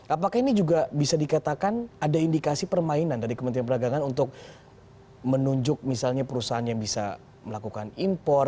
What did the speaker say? apakah ini juga bisa dikatakan ada indikasi permainan dari kementerian perdagangan untuk menunjuk misalnya perusahaan yang bisa melakukan impor